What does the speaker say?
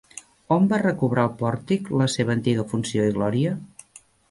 On va recobrar el pòrtic la seva antiga funció i glòria?